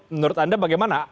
menurut anda bagaimana